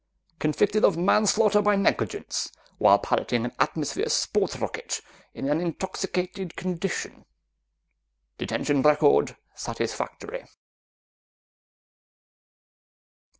Convicted of manslaughter by negligence, while piloting an atmosphere sport rocket in an intoxicated condition. Detention record satisfactory."